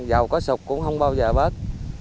giàu có sụt cũng không bao giờ bớt